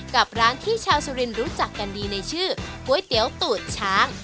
กับร้านที่ชาวสุรินรู้จักกันดีในชื่อก๋วยเตี๋ยวตูดช้าง